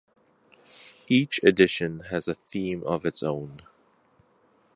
Each edition has a theme of its own.